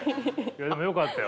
でもよかったよ。